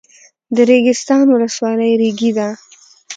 د ریګستان ولسوالۍ ریګي ده